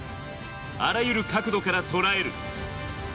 あらゆる角度から捉える。